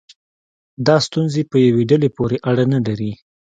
دا ستونزې په یوې ډلې پورې اړه نه لري.